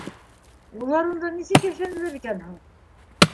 Улар унда нисек йәшәнеләр икән һуң?